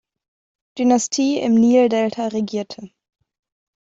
Dynastie im Nildelta regierte.